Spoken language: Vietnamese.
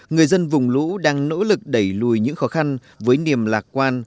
người dân vùng lũ đang nỗ lực đẩy lùi những khó khăn với niềm lạc quan